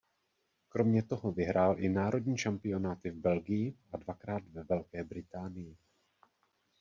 Kromě toho vyhrál i národní šampionáty v Belgii a dvakrát ve Velké Británii.